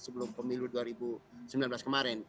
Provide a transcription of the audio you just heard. sebelum pemilu dua ribu sembilan belas kemarin